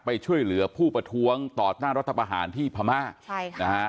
ไปช่วยเหลือผู้ประท้วงต่อต้านรัฐประหารที่พม่าใช่ค่ะนะฮะ